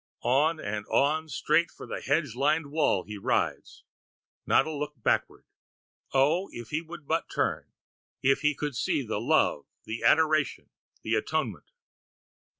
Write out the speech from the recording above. On and on, straight for the hedge lined wall, he rides. Not a look backward. Oh, if he would but turn if he could but see the love, the adoration, the atonement!